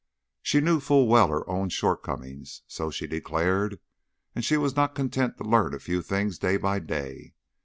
She knew full well her own shortcomings, so she declared, and she was not content to learn a few things day by day.